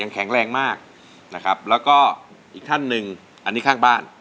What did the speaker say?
แข็งแรงมากนะครับแล้วก็อีกท่านหนึ่งอันนี้ข้างบ้าน